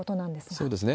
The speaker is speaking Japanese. そうですね。